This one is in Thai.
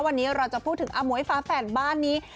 วันนี้เราจะพูดถึงอามวยฟ้าแฝดบ้านนี้